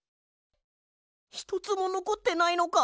ひとつものこってないのか？